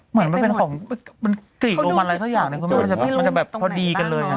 เหมือนไม่เป็นความกรีกโรงบาร์มันก็แบบพอดีกันเลยนะ